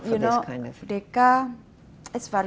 itu adalah jalan yang salah untuk jenis ini